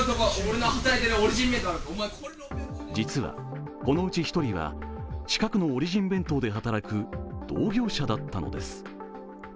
実はこのうち１人は近くのオリジン弁当で働く同業者だったのです。